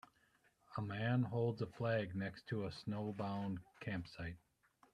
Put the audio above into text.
A man holds a flag next to a snowbound campsite.